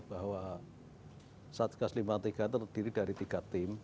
bahwa satgas lima puluh tiga terdiri dari tiga tim